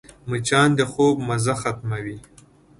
مچان د خوب مزه ختموي